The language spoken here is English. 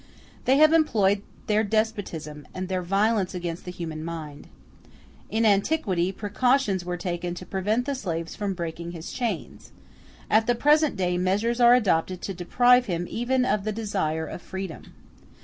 They have employed their despotism and their violence against the human mind. In antiquity, precautions were taken to prevent the slave from breaking his chains; at the present day measures are adopted to deprive him even of the desire of freedom.